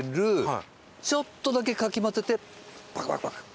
ちょっとだけかき混ぜてバクバクバク！